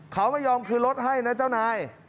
เขาไม่ยอมคืนรถให้นะเจ้านาย